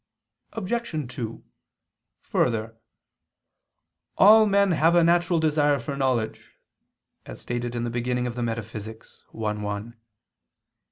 Obj. 2: Further, "All men have a natural desire for knowledge," as stated in the beginning of the Metaphysics (i, 1).